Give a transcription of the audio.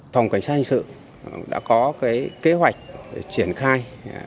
phòng cảnh sát hình sự đã có kế hoạch triển khai